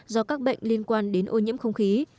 do các bệnh liên quan đến ô nhiễm không khí